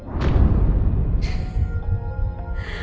フフフッ。